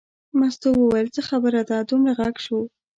مستو وویل څه خبره ده دومره غږ شو.